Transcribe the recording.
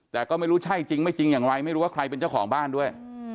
แต่ก็ไม่รู้ใช่จริงไม่จริงอย่างไรไม่รู้ว่าใครเป็นเจ้าของบ้านด้วย